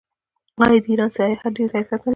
آیا د ایران سیاحت ډیر ظرفیت نلري؟